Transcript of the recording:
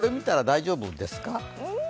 これ見たら大丈夫ですか。